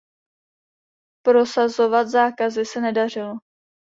Prosazovat zákazy se nedařilo.